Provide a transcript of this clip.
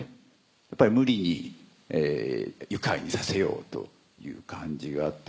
やっぱり無理に愉快にさせようという感じがあって。